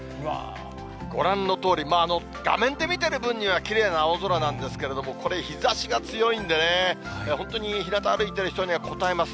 ご覧のとおり、画面で見てる分にはきれいな青空なんですけれども、これ、日ざしが強いんでね、本当にひなた歩いている人にはこたえます。